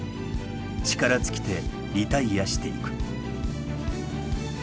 力尽きてリタイアしていく。